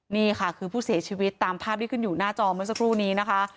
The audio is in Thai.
นี่ค่ะคือผู้เสียชีวิตตามภาพที่ขึ้นอยู่หน้าจอเมื่อสักครู่นี้นะคะ